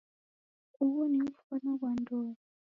Ughu ni mfwano ghwa ndoe